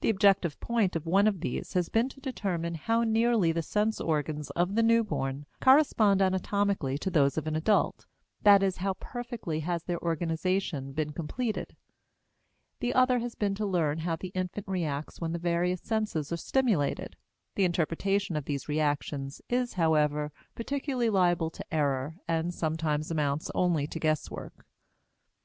The objective point of one of these has been to determine how nearly the sense organs of the newborn correspond anatomically to those of an adult; that is how perfectly has their organization been completed. The other has been to learn how the infant reacts when the various senses are stimulated; the interpretation of these reactions is, however, particularly liable to error and sometimes amounts only to guesswork.